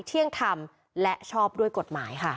เที่ยงทำและชอบด้วยกฎหมาย